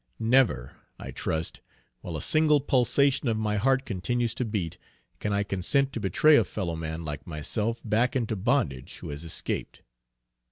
Never, I trust, while a single pulsation of my heart continues to beat, can I consent to betray a fellow man like myself back into bondage, who has escaped.